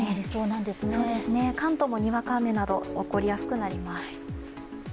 関東もにわか雨など起こりやすくなります。